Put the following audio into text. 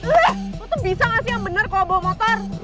eeeh eeeh lo tuh bisa gak sih yang bener kalo bawa motor